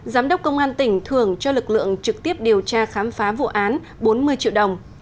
giám đốc công an tỉnh thưởng cho lực lượng trực tiếp điều tra khám phá vụ án bốn mươi triệu đồng